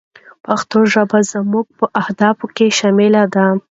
پښتو ژبه زموږ په اهدافو کې شامله ده.